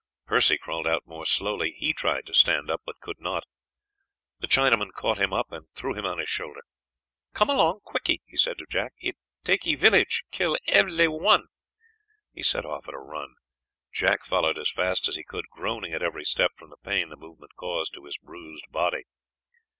Percy crawled out more slowly; he tried to stand up, but could not. The Chinaman caught him up and threw him on his shoulder. "Come along quickee," he said to Jack; "if takee village, kill evely one." He set off at a run. Jack followed as fast as he could, groaning at every step from the pain the movement caused to his bruised body.